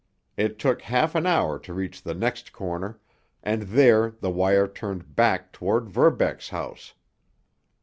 It took half an hour to reach the next corner, and there the wire turned back toward Verbeck's house.